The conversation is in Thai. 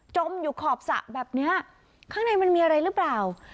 อยู่ขอบสระแบบนี้ข้างในมันมีอะไรหรือเปล่า